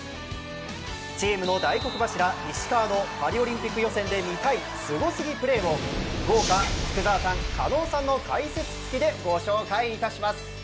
チームの大黒柱、石川のパリオリンピック予選で見たいスゴすぎプレーを豪華、福澤さん、狩野さんの解説付きでご紹介いたします。